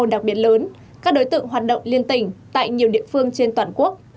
đây là đường dây đặc biệt lớn các đối tượng hoạt động liên tỉnh tại nhiều địa phương trên toàn quốc